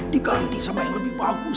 diganti sama yang lebih bagus